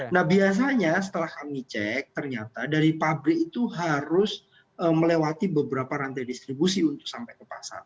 nah biasanya setelah kami cek ternyata dari pabrik itu harus melewati beberapa rantai distribusi untuk sampai ke pasar